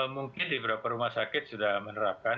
mungkin di beberapa rumah sakit sudah menerapkan